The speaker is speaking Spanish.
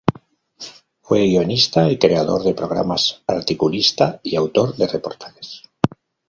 Fue guionista y creador de programas, articulista y autor de reportajes.